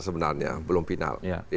sebenarnya belum final